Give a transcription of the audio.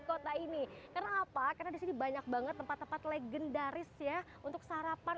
kota ini kenapa karena disini banyak banget tempat tempat legendaris ya untuk sarapan